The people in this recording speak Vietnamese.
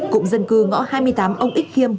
cụng dân cư ngõ hai mươi tám ông ích kiêm